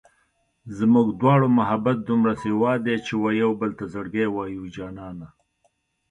زموږ دواړو محبت دومره سېوا دی چې و يوبل ته زړګی وایو جانانه